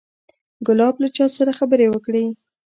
ګلاب له چا سره خبرې وکړې.